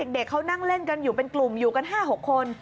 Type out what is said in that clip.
เด็กเขานั่งเล่นกันอยู่เป็นกลุ่มอยู่กัน๕๖คน